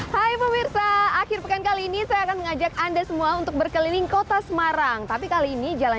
jalan jalan jalan